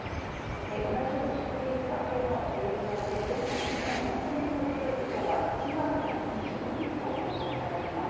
同じように祝日明けの影響で、全国でも４０００人ほど増えて、きょうは１万５２２人と報告されています。